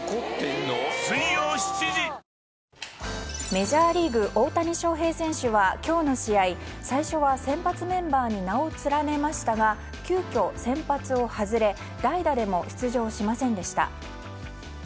メジャーリーグ大谷翔平選手は今日の試合、最初は先発メンバーに名を連ねましたが急きょ、先発を外れ代打でも出場しませんでした。